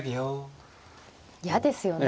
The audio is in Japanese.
嫌ですよね。